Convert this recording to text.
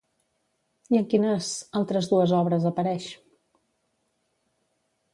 I en quines altres dues obres apareix?